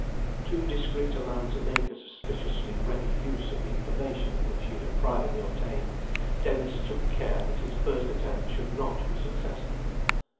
Too discreet a man to make a suspiciously ready use of the information which he had privately obtained, Dennis took care that his first attempt should not be successful.